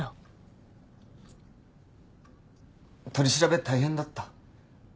取り調べ大変だった？